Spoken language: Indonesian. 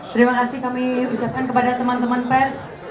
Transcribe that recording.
terima kasih kami ucapkan kepada teman teman pers